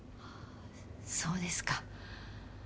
そうですか。